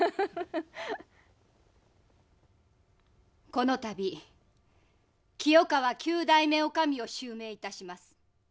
この度きよ川９代目女将を襲名いたします。